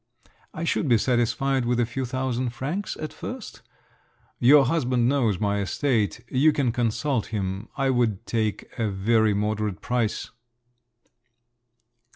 "I should be satisfied with a few thousand francs at first. Your husband knows my estate. You can consult him—I would take a very moderate price."